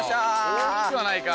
大きくはないか。